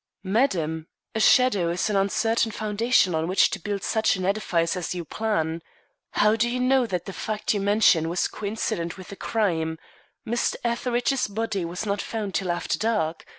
"Madam, a shadow is an uncertain foundation on which to build such an edifice as you plan. How do you know that the fact you mention was coincident with the crime? Mr. Etheridge's body was not found till after dark.